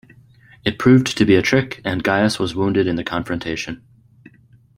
It proved to be a trick, and Gaius was wounded in the confrontation.